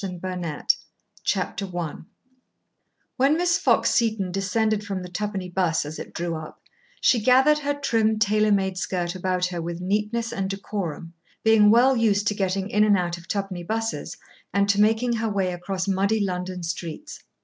] PART ONE Chapter One When Miss Fox Seton descended from the twopenny bus as it drew up, she gathered her trim tailor made skirt about her with neatness and decorum, being well used to getting in and out of twopenny buses and to making her way across muddy London streets.